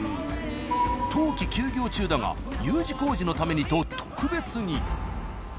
冬季休業中だがＵ字工事のためにと特別に。